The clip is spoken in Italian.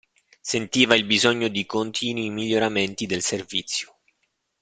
Sentiva il bisogno di continui miglioramenti del servizio.